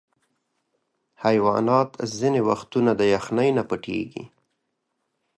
حیوانات ځینې وختونه د یخني نه پټیږي.